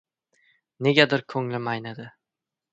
Negadir ko‘nglim aynidi.